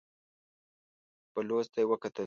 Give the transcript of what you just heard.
بلوڅ ته يې وکتل.